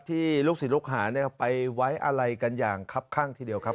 ลูกศิษย์ลูกหาไปไว้อะไรกันอย่างครับข้างทีเดียวครับ